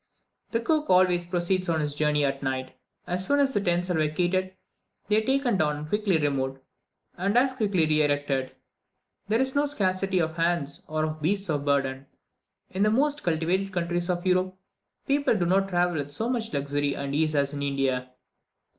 The cook always proceeds on his journey at night. As soon as the tents are vacated, they are taken down and quickly removed, and as quickly re erected: there is no scarcity of hands or of beasts of burden. In the most cultivated countries of Europe, people do not travel with so much luxury and ease as in India.